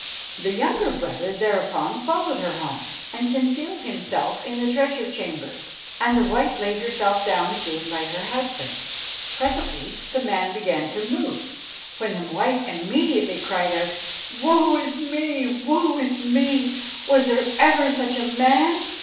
"The younger brother thereupon followed her home, and concealed himself in the treasure chamber, and the wife laid herself down again by her husband. Presently the man began to move, when the wife immediately cried out, 'Woe is me! woe is me! was there ever such a man?'